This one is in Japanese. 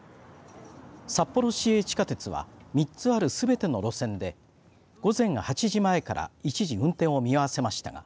札幌市営地下鉄は３つあるすべての路線で午前８時前から一時運転を見合わせました。